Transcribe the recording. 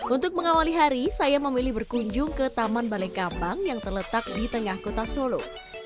untuk mengawali hari saya memilih berkunjung ke taman balai kambang yang terletak di tengah kota solo